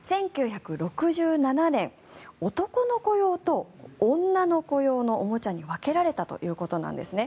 １９６７年男の子用と女の子用のおもちゃに分けられたということなんですね。